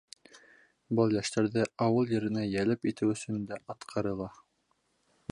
Был йәштәрҙе ауыл еренә йәлеп итеү өсөн дә атҡарыла.